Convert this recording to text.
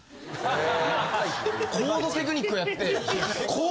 へえ。